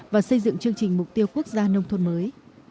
và xây dựng chương trình mục tiêu quốc gia nông thôn mới